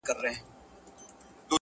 يخ سيوري ته ناست د چنار